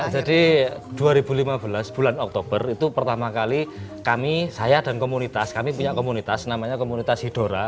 jadi dua ribu lima belas bulan oktober itu pertama kali kami saya dan komunitas kami punya komunitas namanya komunitas hidora